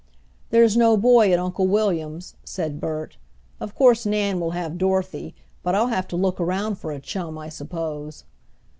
"There's no boy at Uncle William's;" said Bert. "Of course Nan will have Dorothy, but I'll have to look around for a chum, I suppose."